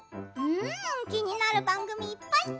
気になる番組いっぱい。